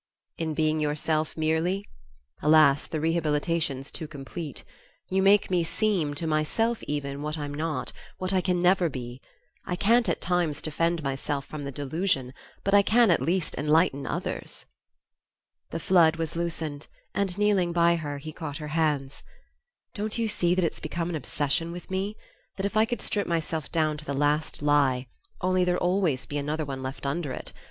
"In being yourself merely? Alas, the rehabilitation's too complete! You make me seem to myself even what I'm not; what I can never be. I can't, at times, defend myself from the delusion; but I can at least enlighten others." The flood was loosened, and kneeling by her he caught her hands. "Don't you see that it's become an obsession with me? That if I could strip myself down to the last lie only there'd always be another one left under it!